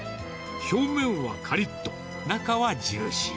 表面はかりっと、中はジューシー。